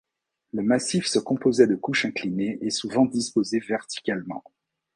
Le massif se composait de couches inclinées et souvent disposées verticalement.